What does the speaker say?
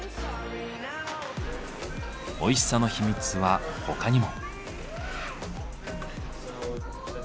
おいしさの秘密は他にも。